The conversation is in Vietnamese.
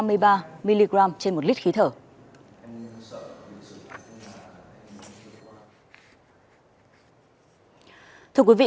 thưa quý vị công nghệ ngày càng phát triển